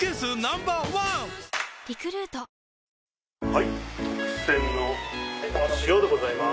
はい特選の塩でございます。